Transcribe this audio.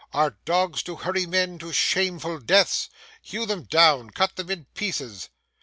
'Are dogs to hurry men to shameful deaths? Hew them down, cut them in pieces.